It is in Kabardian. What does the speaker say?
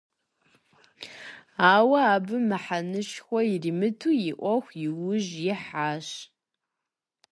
Ауэ абы мыхьэнэшхуэ иримыту и Ӏуэху и ужь ихьащ.